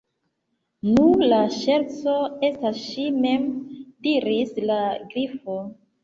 "Nu, la ŝerco estas ŝi_ mem," diris la Grifo.